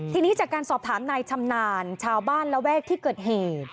ทีนี้จากการสอบถามนายชำนาญชาวบ้านระแวกที่เกิดเหตุ